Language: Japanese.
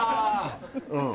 うん。